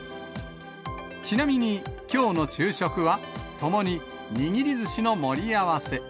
ちなみに、きょうの昼食は、ともに、にぎりずしの盛り合わせ。